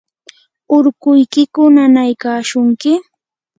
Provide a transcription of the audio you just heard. ¿urkuykiku nanaykashunki?